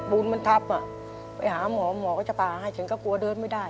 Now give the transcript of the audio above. บุญมันทับไปหาหมอหมอก็จะพาให้ฉันก็กลัวเดินไม่ได้